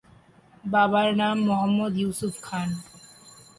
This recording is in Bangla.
বাবার নাম মোহাম্মদ ইউসুফ খান।